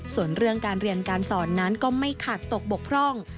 ส่วนเรื่องการเรียนการสอนนั้นก็ไม่ขาดตกบกพร่อง